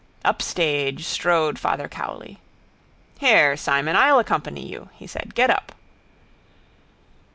Up stage strode Father Cowley. —Here, Simon, I'll accompany you, he said. Get up.